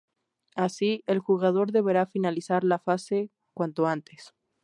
Así, el jugador deberá finalizar la fase cuanto antes.